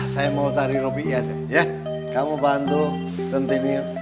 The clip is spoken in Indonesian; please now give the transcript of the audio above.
saya mau cari lebih ya kamu bantu centini